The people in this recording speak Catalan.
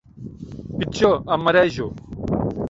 Pitjor. Em marejo.